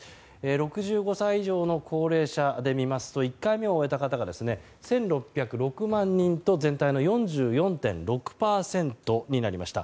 ６５歳以上の高齢者で見ますと１回目を終えた方が１６０６万人と全体の４４．６％になりました。